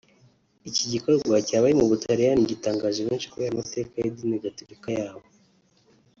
Iki gikorwa kibaye mu Butaliyani gitangaje benshi kubera amateka y’idini gatolika yaho